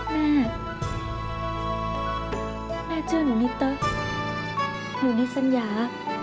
แม่แม่ชื่อหนูนิดต๊ะหนูนิสัญญา